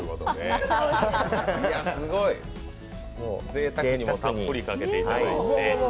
ぜいたくに、たっぷりかけていただいて。